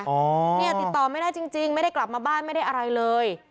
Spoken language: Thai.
เนี่ยติดต่อไม่ได้จริงไม่ได้กลับมาบ้านไม่ได้อะไรเลย